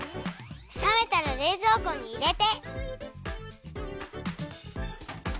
さめたられいぞうこにいれて。